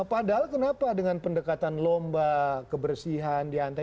padahal kenapa dengan pendekatan lomba kebersihan diantara